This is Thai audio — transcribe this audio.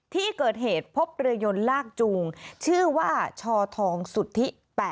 ที่เกิดเหตุพบเรือยนลากจูงชื่อว่าชอทองสุทธิ๘